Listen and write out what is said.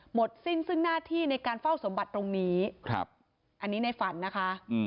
สิ้นซึ่งหน้าที่ในการเฝ้าสมบัติตรงนี้อันนี้ในฝันนะคะ